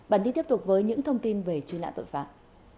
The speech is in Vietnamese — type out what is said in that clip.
bản tin tiếp tục với những thông tin về truy nã tội phạm